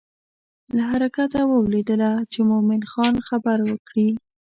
له حرکته ولوېدله چې مومن خان خبر کړي.